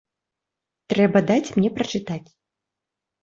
Трэба даць мне прачытаць.